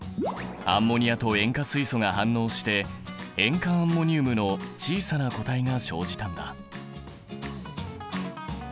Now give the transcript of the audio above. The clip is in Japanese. アンモニアと塩化水素が反応して塩化アンモニウムの小さな固体が生じたんだ。